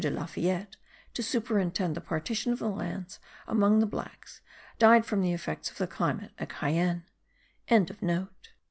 de Lafayette to superintend the partition of the lands among the blacks, died from the effects of the climate at Cayenne.)